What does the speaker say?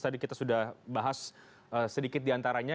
tadi kita sudah bahas sedikit diantaranya